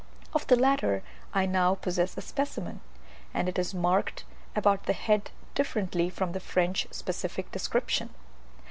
Of the latter I now possess a specimen, and it is marked about the head differently from the French specific description.